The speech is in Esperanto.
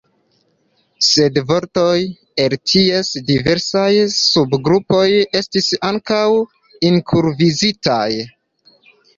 Sed vortoj el ties diversaj subgrupoj estis ankaŭ inkluzivitaj.